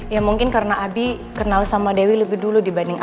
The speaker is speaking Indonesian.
ya mungkin karena abi kenal sama dewi lebih dulu dibanding ambi